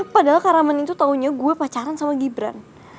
padahal kak rahman itu taunya gue pacaran sama gibran